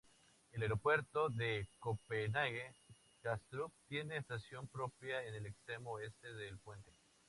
El Aeropuerto de Copenhague-Kastrup tiene estación propia en el extremo oeste del puente.